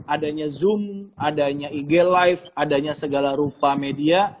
adanya zoom adanya ig live adanya segala rupa media